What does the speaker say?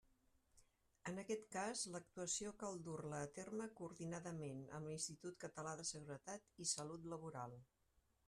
En aquest cas, l'actuació cal dur-la a terme coordinadament amb l'Institut Català de Seguretat i Salut Laboral.